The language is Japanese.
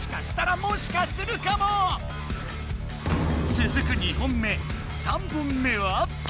つづく２本目３本目は。